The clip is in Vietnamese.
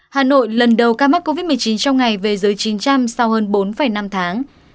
hà nội lần đầu ca mắc covid một mươi chín trong ngày về dưới chín trăm linh sau hơn bốn năm tháng